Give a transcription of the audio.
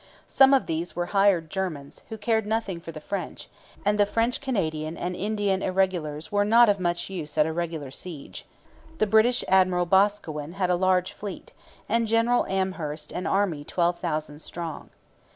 Some of these were hired Germans, who cared nothing for the French; and the French Canadian and Indian irregulars were not of much use at a regular siege. The British admiral Boscawen had a large fleet, and General Amherst an army twelve thousand strong.